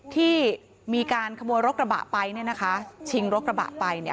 ที่มีการขโมยรถกระบะไปเนี่ยนะคะชิงรถกระบะไปเนี่ย